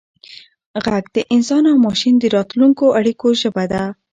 ږغ د انسان او ماشین د راتلونکو اړیکو ژبه ده.